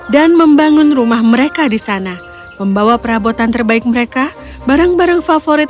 dan membangun rumah mereka di sana membawa perabotan terbaik mereka barang barang favorit